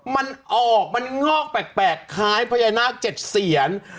มันออกมันงอกแปลกคล้ายพญานาค๗เสียน